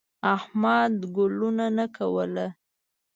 احمد ګلو نه کوله.